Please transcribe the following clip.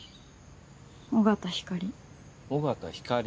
緒方ひかり。